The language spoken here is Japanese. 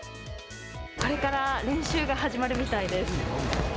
これから練習が始まるみたいです。